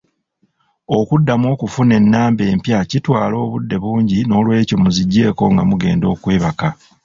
Okuddamu okufuna ennamba empya kitwala obudde bungi noolwekyo mu ziggyeeko nga mugenda okwebaka.